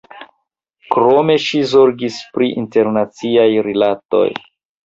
Krome ŝi zorgis pri internaciaj rilatoj.